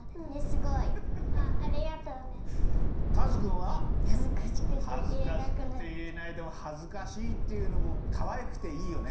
はずかしくていえないでもはずかしいっていうのもかわいくていいよね！